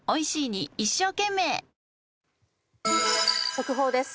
速報です。